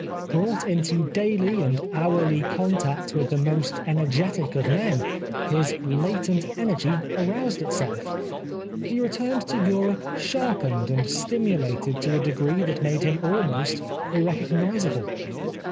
Brought into daily and hourly contact with the most energetic of men, his latent energy aroused itself. He returned to Europe sharpened and stimulated to a degree that made him almost irrecognisable.